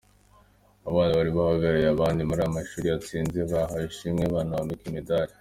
Abana bari bahagarariye abandi muri aya mashuri yatsinze bahawe ishimwe banambikwa imidari.